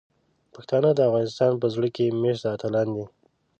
پښتانه د افغانستان په زړه کې میشته اتلان دي.